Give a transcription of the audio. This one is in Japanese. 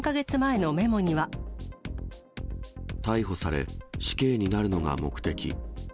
逮捕され、死刑になるのが目的。